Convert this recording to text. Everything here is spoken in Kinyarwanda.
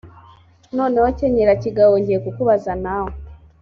noneho kenyera kigabo ngiye kukubaza nawe